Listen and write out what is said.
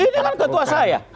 ini kan ketua saya